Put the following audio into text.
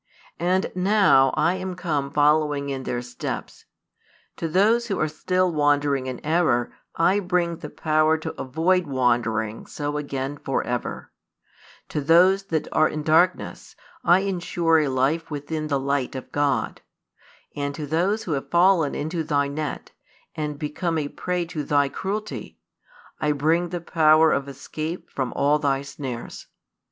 And now I am come following in their steps. To those who are still wandering in error I bring the power to avoid wandering so again for ever: to those that are in darkness I ensure a life within the light of God: and to those who have fallen into thy net, and become a prey to thy cruelty, I bring the power of escape from all thy snares.